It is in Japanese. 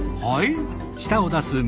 はい。